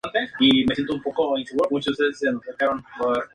Durante este tiempo Smith visitó una misión Hispano-Americana de la Iglesia.